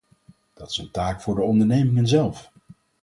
Dat is een taak voor de ondernemingen zelf.